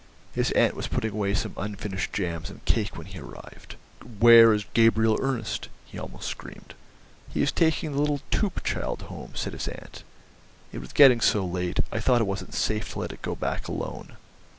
His aunt was putting away some unfinished jams and cake when he arrived. "Where is Gabriel Ernest?" he almost screamed. "He is taking the little Toop child home," said his aunt. "It was getting so late, I thought it wasn't safe to let it go back alone.